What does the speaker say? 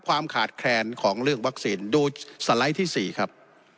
ความขาดแคลนของเรื่องวัคซีนดูสไลด์ที่๔ครับ